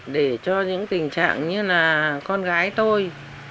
để cho những tình trạng như là con gái tôi